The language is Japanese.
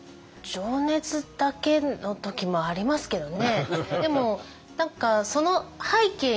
情熱だけの時もありますけどね。